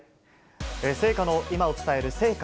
聖火の今を伝える聖火